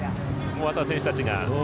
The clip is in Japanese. あとは選手たちが。